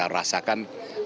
dan inilah yang kita rasakan